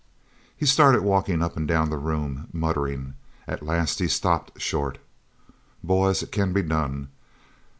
He started walking up and down the room, muttering. At last he stopped short. "Boys, it can be done!